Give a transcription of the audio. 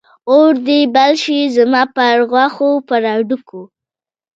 اور دې بل شي زما پر غوښو، پر هډوکو